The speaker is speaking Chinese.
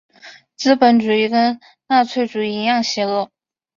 资本主义跟纳粹主义一样邪恶。